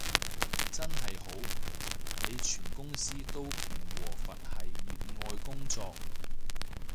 真係好，你全公司都平和佛系熱愛工作